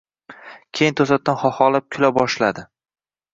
Keyin to‘satdan xaxolab kula boshladi.